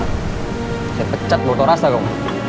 saya pecat lo tau rasa kau